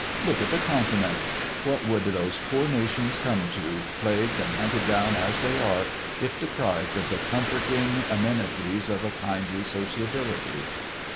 Look at the Continent. What would those poor nations come to, plagued and hunted down as they are, if deprived of the comforting amenities of a kindly sociability?